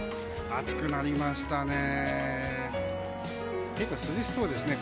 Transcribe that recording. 暑くなりましたね。